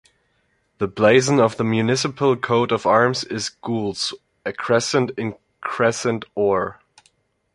The blazon of the municipal coat of arms is Gules, a Crescent increscent Or.